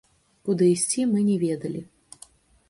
Куды ісці мы не ведалі.